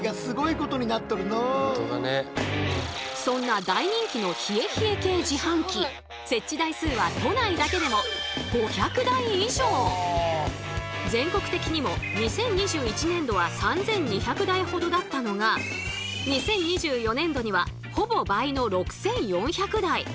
そんな大人気のヒエヒエ系自販機設置台数は都内だけでも全国的にも２０２１年度は３２００台ほどだったのが２０２４年度にはほぼ倍の６４００台。